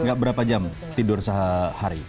enggak berapa jam tidur sehari